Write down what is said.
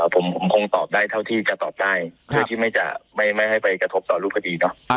ผมคงตอบได้เท่าที่จะตอบได้โดยที่ไม่ให้ไปกระทบต่อรูปคดีเนาะ